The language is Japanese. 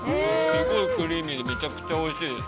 クリーミーでめちゃくちゃおいしいです。